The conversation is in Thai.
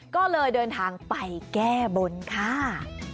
ก็เลยเดินทางไปแก้บนค่ะ